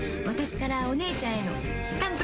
私からお姉ちゃんへの誕